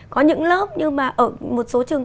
có những lớp nhưng mà ở một số trường